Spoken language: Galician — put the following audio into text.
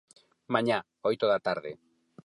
Mañá, oito da tarde.